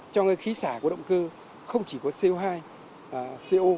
trong cái khí xả của động cơ không chỉ có co hai co